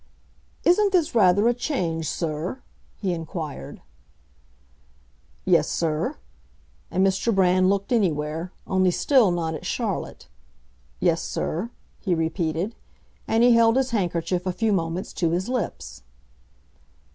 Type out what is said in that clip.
"Isn't this rather a change, sir?" he inquired. "Yes, sir." And Mr. Brand looked anywhere; only still not at Charlotte. "Yes, sir," he repeated. And he held his handkerchief a few moments to his lips.